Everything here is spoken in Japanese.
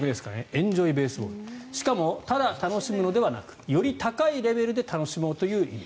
エンジョイ・ベースボールしかもただ楽しむのではなくより高いレベルで楽しもうという意味。